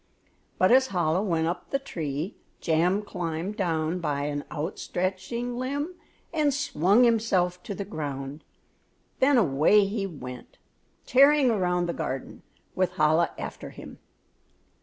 But as Chola went up the tree, Jam climbed down by an out stretching limb and swung himself to the ground, then away he went tearing around the garden with Chola after him.